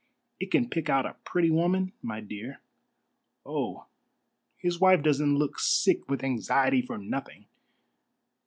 It can pick out a pretty woman, my dear. Oh, his wife doesn't look sick with anxiety for nothing!"